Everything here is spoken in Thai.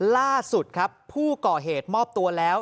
ล่าสุดครับผู้ก่อเหตุมอบตัวแล้ว